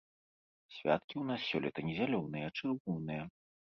Святкі ў нас сёлета не зялёныя, а чырвоныя.